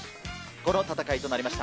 この戦いとなりました。